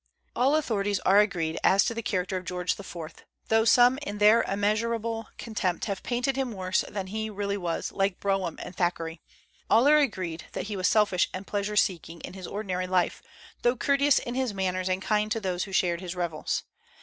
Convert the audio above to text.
All authorities are agreed as to the character of George IV., though some in their immeasurable contempt have painted him worse than he really was, like Brougham and Thackeray. All are agreed that he was selfish and pleasure seeking in his ordinary life, though courteous in his manners and kind to those who shared his revels.